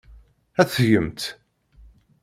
Ad t-tgemt.